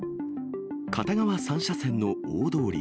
片側３車線の大通り。